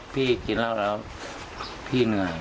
พี่ไม่กินเพราะว่าพี่กินรอแล้วพี่เหนื่อย